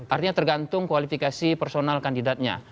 artinya tergantung kualifikasi personal kandidatnya